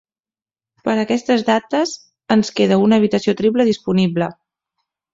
Per a aquestes dates ens queda una habitació triple disponible.